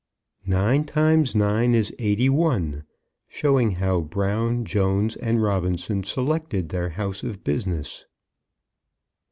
NINE TIMES NINE IS EIGHTY ONE. SHOWING HOW BROWN, JONES, AND ROBINSON SELECTED THEIR HOUSE OF BUSINESS.